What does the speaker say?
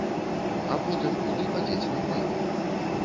А потым куды падзець наклад?